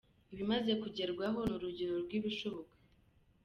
ibimaze kugerwaho ni urugero rw’ibishoboka.